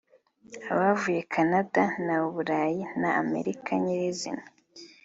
abavuye Canada na u Burayi na Amerika nyirizina